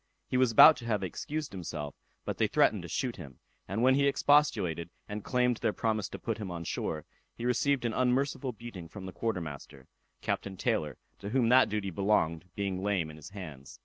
He was about to have excused himself, but they threatened to shoot him; and when he expostulated, and claimed their promise to put him on shore, he received an unmerciful beating from the quarter master; Captain Taylor, to whom that duty belonged, being lame in his hands.